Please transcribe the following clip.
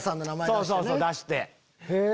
そうそうそう出して。